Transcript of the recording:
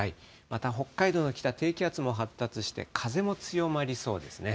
また北海道の北、低気圧も発達して風も強まりそうですね。